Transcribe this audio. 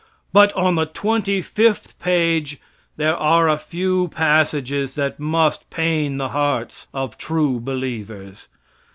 But on the twenty fifth page, there are a few passages that must pain the hearts of true believers.